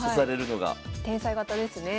天才型ですね。